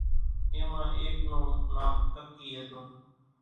اين مان ايڪ نون نام ڪڪِي ھتون